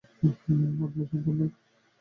আপনার সন্তান নেই?